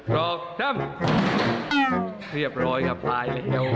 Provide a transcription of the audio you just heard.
เรียบร้อยค่ะป้าย